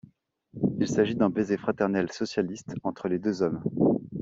Il s'agit d'un baiser fraternel socialiste entre les deux hommes.